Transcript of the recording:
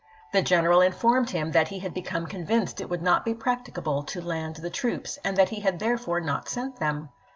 The general informed him that he had be come convinced it would not be practicable to land the troops, and that he had therefore not sent them.